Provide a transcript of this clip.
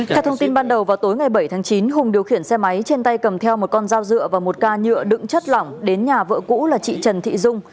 theo thông tin ban đầu vào tối ngày bảy tháng chín hùng điều khiển xe máy trên tay cầm theo một con dao dựa và một ca nhựa đựng chất lỏng đến nhà vợ cũ là chị trần thị dung